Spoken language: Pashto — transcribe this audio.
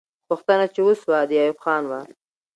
پوښتنه چې وسوه، د ایوب خان وه.